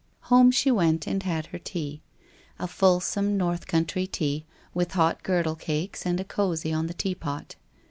Home she went and had her tea — a fulsome North country tea with hot girdle cakes and a cosy on the tea pot.